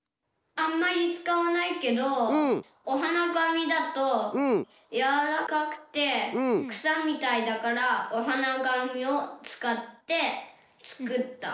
あんまりつかわないけどおはながみだとやわらかくてくさみたいだからおはながみをつかってつくった。